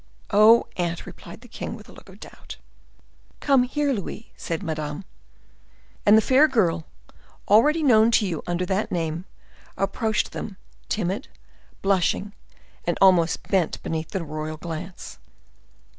"Oh, aunt!" replied the king with a look of doubt. "Come here, Louise," said Madame. And the fair girl, already known to you under that name, approached them, timid, blushing, and almost bent beneath the royal glance.